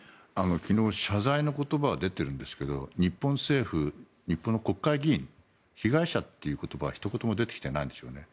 昨日謝罪の言葉は出ているんですが日本政府、日本の国会議員被害者という言葉は、ひと言も出てきてないんですよね。